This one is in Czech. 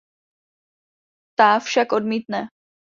Ta však odmítne.